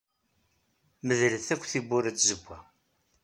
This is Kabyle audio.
Medlet akk tiwwura d tzewwa.